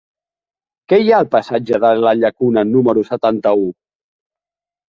Què hi ha al passatge de la Llacuna número setanta-u?